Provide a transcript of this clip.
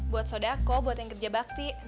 buat sodako buat yang kerja bakti